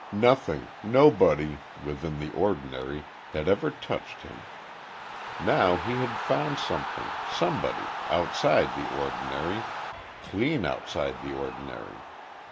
Nothing nobody within the ordinary had ever touched him. Now he had found something somebody outside the ordinary clean outside the ordinary.